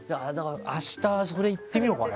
明日、それ言ってみようかな。